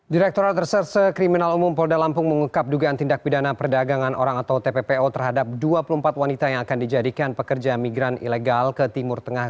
direkturat reserse kriminal umum polda lampung mengungkap dugaan tindak pidana perdagangan orang atau tppo terhadap dua puluh empat wanita yang akan dijadikan pekerja migran ilegal ke timur tengah